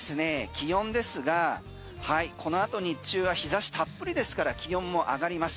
気温ですがこのあと日中は日差したっぷりですから気温も上がります。